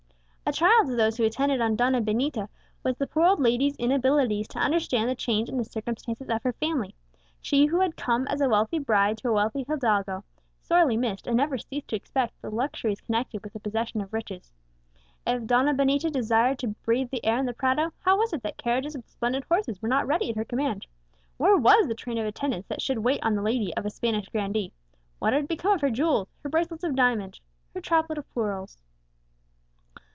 A trial to those who attended on Donna Benita was the poor old lady's inability to understand the change in the circumstances of her family; she who had come as a wealthy bride to a wealthy hidalgo, sorely missed, and never ceased to expect, the luxuries connected with the possession of riches. If Donna Benita desired to breathe the air in the Prado, how was it that carriages with splendid horses were not ready at her command? Where was the train of attendants that should wait on the lady of a Spanish grandee? What had become of her jewels, her bracelets of diamonds, her chaplet of pearls?